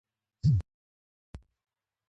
احمد دوه کاله عبث تېر کړل.